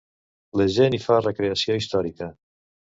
La gent hi fa recreació històrica?